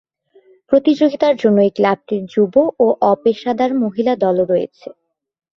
প্রতিযোগিতার জন্য এই ক্লাবটির যুব ও অপেশাদার মহিলা দলও রয়েছে।